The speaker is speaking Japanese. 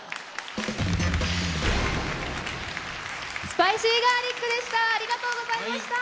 スパイシーガーリックでした。